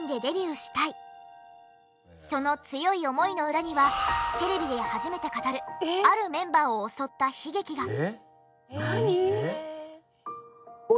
その強い思いの裏にはテレビで初めて語るあるメンバーを襲った悲劇が。